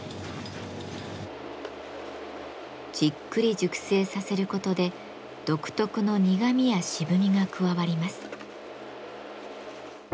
じっくり熟成させることで独特の苦みや渋みが加わります。